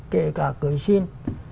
kể cả cử xin